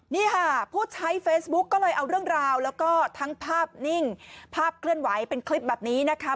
นี่ค่ะผู้ใช้เฟซบุ๊กก็เลยเอาเรื่องราวแล้วก็ทั้งภาพนิ่งภาพเคลื่อนไหวเป็นคลิปแบบนี้นะคะ